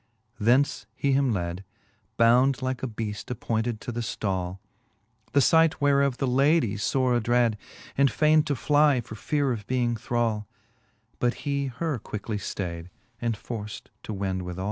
Thence he him lad. Bound like a beaft appointed to the ftall : The fight whereof the lady ibre adrad, And fain'd to'fly for feare of being thrall ; But he her quickly ftayd, and for ft to wend withall.